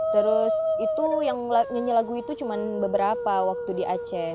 terus nyanyi lagu itu cuma beberapa waktu di aceh